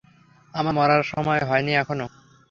আমার মরার সময় হয়নি এখনও।